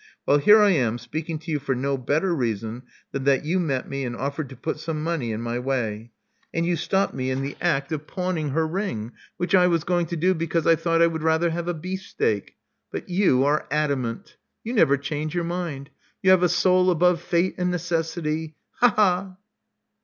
Well, here I am speaking to you for no better reason than that you met me and ofiEered to put some money in my way. And you stopped me in the act of pawn 98 Love Among the Artists ing her ring, which I was going to do because I thought I would rather have a beefsteak. But you are adamant. You never change your mind. You have a soul above fate and necessity! Ha! ha!"